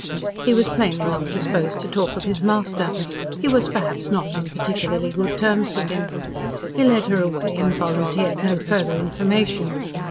He was plainly not disposed to talk of his master. He was perhaps not on particularly good terms with him. He led her away and volunteered no further information.